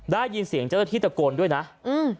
ได้ยินเสียงเจ้าหน้าที่ตะโกนด้วยนะอืม